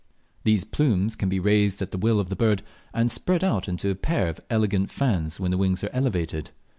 These plumes can be raised at the will of the bird, and spread out into a pair of elegant fans when the wings are elevated.